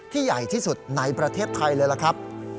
ใหญ่ที่สุดในประเทศไทยเลยล่ะครับ